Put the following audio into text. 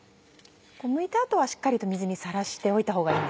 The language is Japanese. むいた後はしっかりと水にさらしておいたほうがいい？